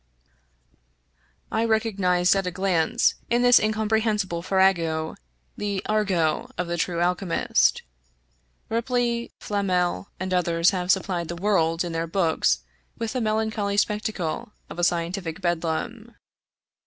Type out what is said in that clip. I recognized at a glance, in this incomprehensible far rago, the argot of the true alchemist. Ripley, Flamel, and others have supplied the world, in their works, with the melancholy spectacle of a scientific bedlam.